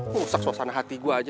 rusak suasana hati gue aja